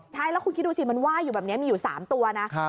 ใช่แล้วคุณคิดดูสิมันไหว้อยู่แบบนี้มีอยู่๓ตัวนะ